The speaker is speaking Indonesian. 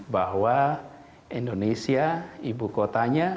bahwa indonesia ibu kotanya